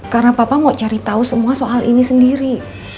karena papa mau cari tau semua soal ini sendiri